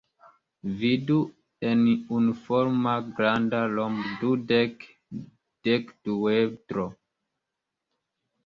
Vidu en unuforma granda rombo-dudek-dekduedro.